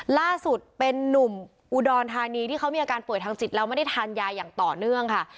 ล่าสุดเป็นนุ่มอุดรธานีที่เขามีอาการป่วยทางจิตแล้วไม่ได้ทานยาอย่างต่อเนื่องค่ะ